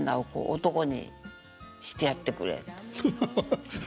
「男にしてやってくれ」。